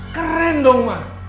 keren dong ma